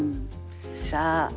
さあ。